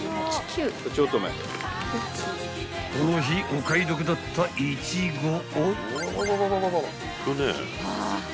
［この日お買い得だったイチゴを］